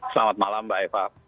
selamat malam mbak eva